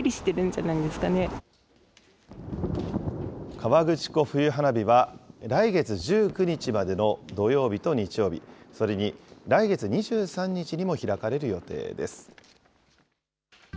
河口湖冬花火は、来月１９日までの土曜日と日曜日、それに来月２３日にも開かれる予定です。